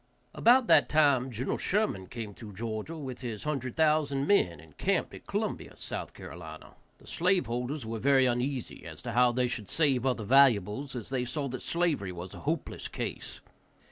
About that time Gen. Sherman came through Georgia with his hundred thousand men, and camped at Columbia, S.C. The slave holders were very uneasy as to how they should save other valuables, as they saw that slavery was a hopeless case.